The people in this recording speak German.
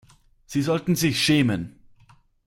Sie sollten sich schämen!